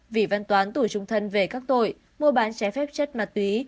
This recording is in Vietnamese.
vị văn toán tù trung thân về các tội mua bán trái phép chất ma túy